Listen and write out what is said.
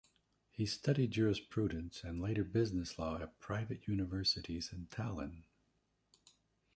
He studied jurisprudence and later business law at private universities in Tallinn.